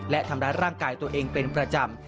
และทำร้ายร่างกายตัวเองเป็นประจำ